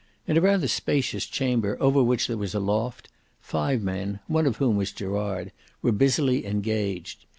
In a rather spacious chamber over which was a loft, five men, one of whom was Gerard, were busily engaged.